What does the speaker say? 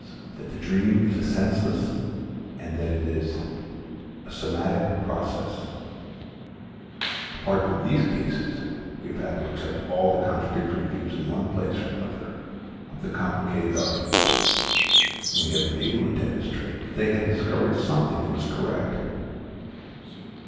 that the dream is a senseless and that it is a somatic process; apart from these cases we have had to accept all the contradictory views in one place or another of the complicated argument, and we have been able to demonstrate that they had discovered something that was correct.